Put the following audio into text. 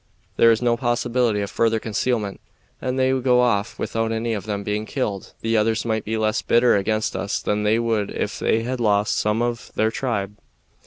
There is no possibility of further concealment, and if they go off without any of them being killed the others might be less bitter against us than they would if they had lost some of their tribe."